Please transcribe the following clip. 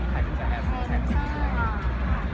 ไม่ทราบเลยครับ